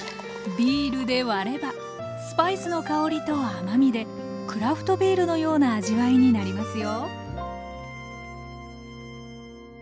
ビールで割ればスパイスの香りと甘みでクラフトビールのような味わいになりますよ